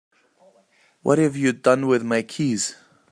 What have you done with my keys?